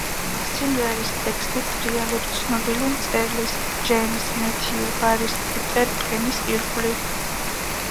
სიმღერის ტექსტი ტრიალებს ცნობილი მწერლის, ჯეიმზ მეთიუ ბარის პიტერ პენის ირგვლივ.